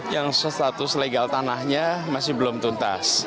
yang status legal tanahnya masih belum tuntas